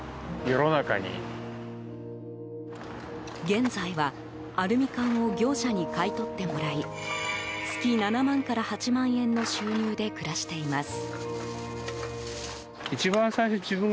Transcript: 現在はアルミ缶を業者に買い取ってもらい月７万から８万円の収入で暮らしています。